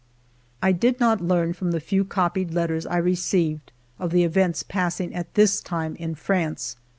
I did not learn from the few copied letters I received of the events passing at this time in France.